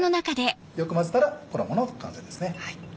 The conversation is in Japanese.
よく混ぜたら衣の完成ですね。